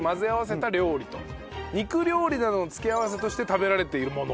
肉料理などの付け合わせとして食べられているもの。